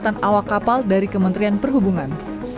ia juga menempatkan awak kapal dari kementerian perhubungan